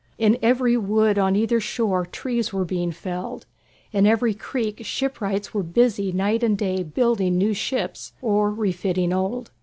In every wood on either shore trees were being felled. In every creek shipwrights were busy night and day building new ships or refitting old.